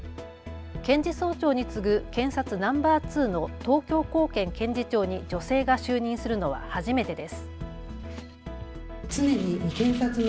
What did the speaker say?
検事総長に次ぐ検察ナンバー２の東京高検検事長に女性が就任するのは初めてです。